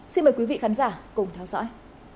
xin mời quý vị khán giả cùng theo dõi